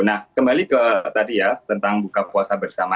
nah kembali ke tadi ya tentang buka puasa bersama